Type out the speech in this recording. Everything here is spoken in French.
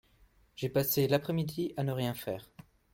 J'ai passé l'après-midi à ne rien faire